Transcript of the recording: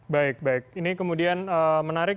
baik baik ini kemudian menarik